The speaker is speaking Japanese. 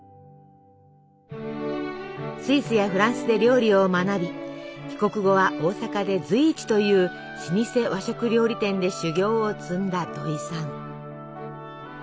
スイスやフランスで料理を学び帰国後は大阪で随一という老舗和食料理店で修業を積んだ土井さん。